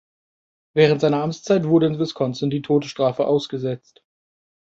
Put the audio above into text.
Während seiner Amtszeit wurde in Wisconsin die Todesstrafe ausgesetzt.